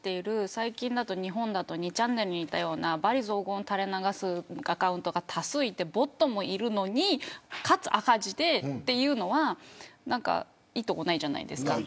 最近の日本だと２ちゃんねるに似たような罵詈雑言を垂れ流すアカウントが多数いて、ボットもいるのにかつ赤字で、というのはいいところないじゃないですか。